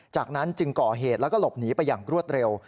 จากนั้นจึงก่อเหตุแล้วก็หลบหนีไปอย่างรวดเร็ว